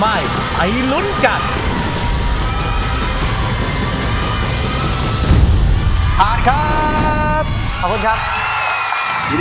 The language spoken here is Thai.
มีท่านที่เอาอัพยาบาล